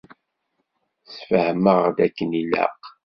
Ssfehmeɣ-d akken ilaq?